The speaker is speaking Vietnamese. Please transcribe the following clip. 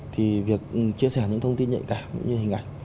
thì việc chia sẻ những thông tin nhạy cảm cũng như hình ảnh